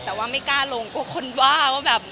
แต่ว่าไม่กล้าลงกลัวคนว่าว่าแบบ